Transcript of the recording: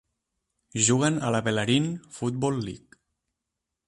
Juguen a la Bellarine Football League.